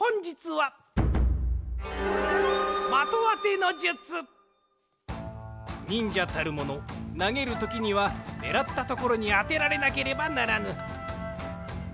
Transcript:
ほんじつはにんじゃたるものなげるときにはねらったところにあてられなければならぬ。